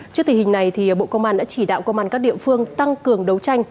trước tình hình này bộ công an đã chỉ đạo công an các địa phương tăng cường đấu tranh